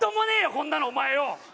こんなのお前よ！